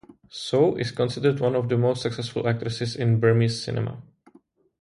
Soe is considered one of the most successful actresses in Burmese cinema.